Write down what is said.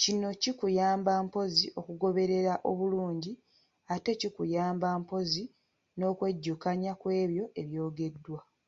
Kino kikuyamba mpozzi okugoberera obulungi ate kikuyamba mpozzi n’okwejjukanya ku ebyo ebyogeddwa.